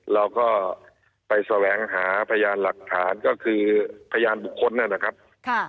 เราก็ไปแสวงหาพยานหลักฐานก็คือพยานบุคคลนะครับ